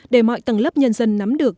để mọi tầng lớp nhân dân nắm được